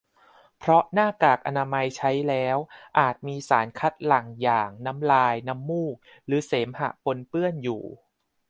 เพราะหน้ากากอนามัยใช้แล้วอาจมีสารคัดหลั่งอย่างน้ำลาย น้ำมูก หรือเสมหะปนเปื้อนอยู่